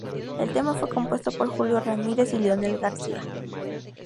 El tema fue compuesto por Julio Ramírez y Leonel García.